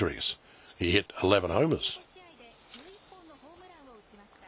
出場６５試合で１１本のホームランを打ちました。